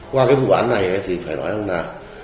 qua cái vụ án này thì phải nói là